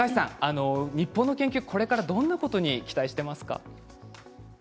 日本の研究、これからどんなことに期待していますか。